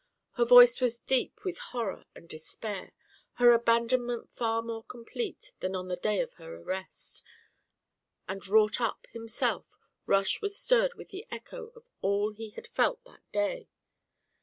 Her voice was deep with horror and despair, her abandonment far more complete than on the day of her arrest; and wrought up himself, Rush was stirred with the echo of all he had felt that day.